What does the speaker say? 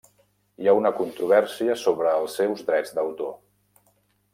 Hi ha una controvèrsia sobre els seus drets d'autor.